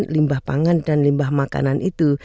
limbah pangan dan limbah makanan itu